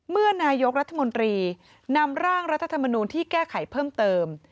เมื่อนายกรัฐมนตรีนำร่างรัฐธรรมนูลที่แก้ไขเพิ่มเติม